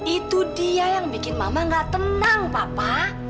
itu dia yang bikin mama gak tenang papa